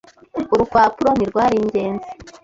Urupapuro ntirwari ingenzi.